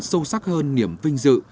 sâu sắc hơn niềm vinh dự